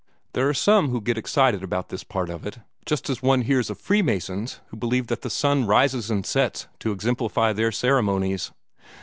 There are some who get excited about this part of it, just as one hears of Free Masons who believe that the sun rises and sets to exemplify their ceremonies.